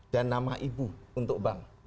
dan nama ibu untuk bank